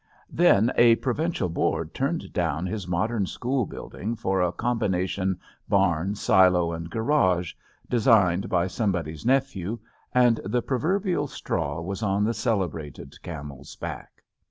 Then a provincial board turned down his modern school building for a combination barn, silo and garage, designed by some body's nephew, and the proverbial straw was on the celebrated camel's back.